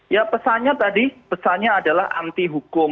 ya pesannya tadi pesannya adalah anti hukum